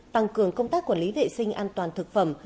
tăng cường công tác quản lý vệ sinh an toàn thực phẩm